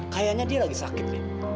kayaknya dia lagi sakit